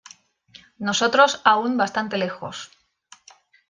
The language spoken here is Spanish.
nosotros, aún bastante lejos